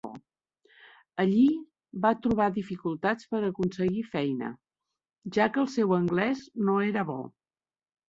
Allí va trobar dificultats per aconseguir feina, ja que el seu anglès no era bo.